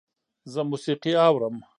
زه موسیقي اورم